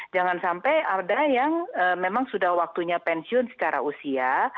jangan sampai ada yang memang sudah waktunya pensiun secara usia